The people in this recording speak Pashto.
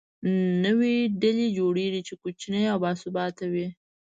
نوې ډلې جوړېږي، چې کوچنۍ او باثباته وي.